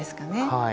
はい。